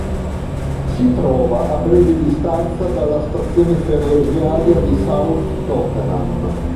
Si trova a breve distanza dalla stazione ferroviaria di South Tottenham.